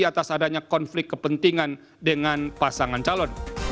atas adanya konflik kepentingan dengan pasangan calon